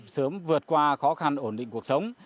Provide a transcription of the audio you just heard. sớm vượt qua khó khăn ổn định cuộc sống